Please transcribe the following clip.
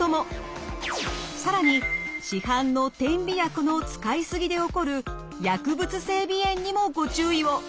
更に市販の点鼻薬の使いすぎで起こる薬物性鼻炎にもご注意を！